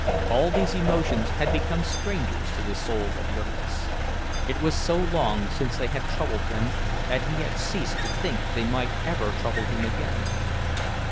All these emotions had become strangers to the soul of Jurgis; it was so long since they had troubled him that he had ceased to think they might ever trouble him again.